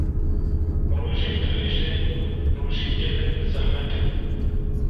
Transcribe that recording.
rojên dirêj de rojî gelek bi zehmet e